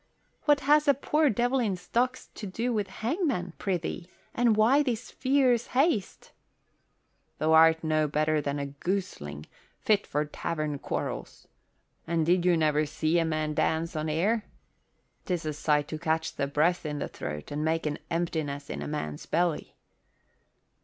"What has a poor devil in stocks to do with the hangman, prithee? And why this fierce haste?" "Th' art no better than a gooseling fit for tavern quarrels. And did you never see a man dance on air? 'Tis a sight to catch the breath in the throat and make an emptiness in a man's belly."